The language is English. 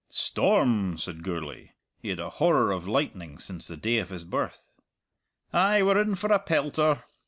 "Storm!" said Gourlay. He had a horror of lightning since the day of his birth. "Ay, we're in for a pelter.